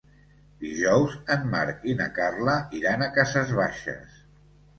Dijous en Marc i na Carla iran a Cases Baixes.